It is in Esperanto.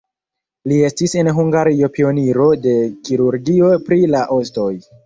Li estis en Hungario pioniro de kirurgio pri la ostoj.